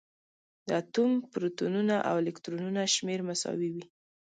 د اتوم پروتونونه او الکترونونه شمېر مساوي وي.